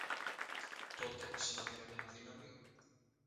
Τότε σαν να πήρε νέα δύναμη